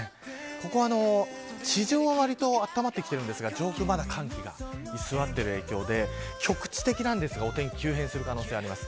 ここは地上はわりとあったまってきていますが上空から寒気が居座っている影響で局地的ですがお天気が急変する可能性があります。